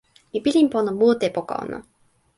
mi pilin pona mute poka ona.